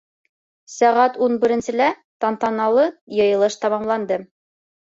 Сәғәт ун беренселә тантаналы йыйылыш тамамланды.